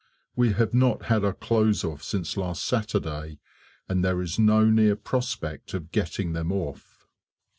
We have not had our clothes off since last Saturday, and there is no near prospect of getting them off.